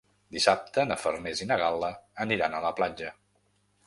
Dissabte na Farners i na Gal·la aniran a la platja.